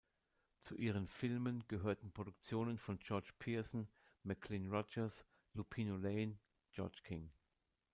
Zu ihren Filmen gehören Produktionen von George Pearson, Maclean Rogers, Lupino Lane, George King.